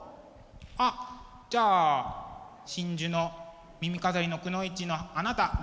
あっじゃあ真珠の耳飾りのくノ一のあなた。